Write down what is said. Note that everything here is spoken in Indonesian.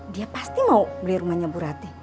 dia pasti mau beli rumahnya bu ratih